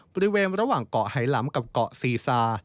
บริเวณระหว่างเกาะไหลำกับเกาะซีซา